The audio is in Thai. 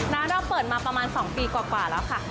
ร้านเราเปิดมาประมาณ๒ปีกว่าแล้วค่ะ